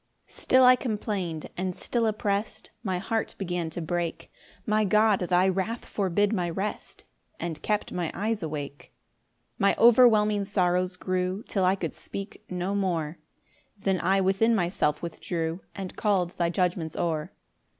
3 Still I complain'd, and still opprest, My heart began to break; My God, thy wrath forbid my rest, And kept my eyes awake. 4 My overwhelming sorrows grew Till I could speak no more; Then I within myself withdrew, And call'd thy judgments o'er.